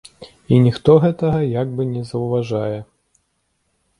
І ніхто гэтага як бы не заўважае.